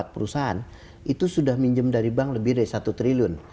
satu ratus dua puluh empat perusahaan itu sudah minjem dari bank lebih dari satu triliun